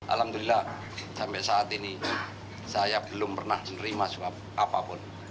alhamdulillah sampai saat ini saya belum pernah menerima suap apapun